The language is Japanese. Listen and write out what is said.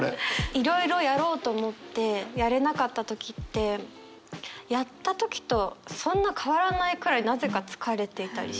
いろいろやろうと思ってやれなかった時ってやった時とそんな変わらないくらいなぜか疲れていたりして。